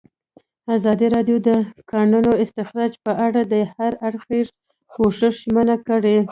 ازادي راډیو د د کانونو استخراج په اړه د هر اړخیز پوښښ ژمنه کړې.